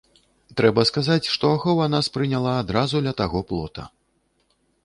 Трэба сказаць, што ахова нас прыняла адразу ля таго плота.